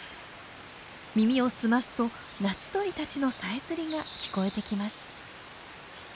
耳を澄ますと夏鳥たちのさえずりが聞こえてきます。